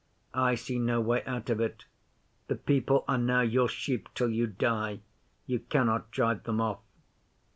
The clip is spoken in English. I see no way out of it. The people are now your sheep till you die. You cannot drive them off."